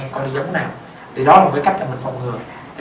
con đi giống nào thì đó là một cái cách mình phòng ngừa